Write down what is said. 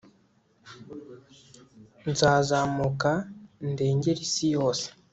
nzazamuka ndengere isi yose